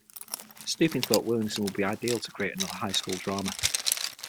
Stupin thought Williamson would be ideal to create another high school drama.